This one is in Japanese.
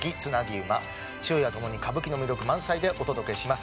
昼夜ともに歌舞伎の魅力満載でお届けします。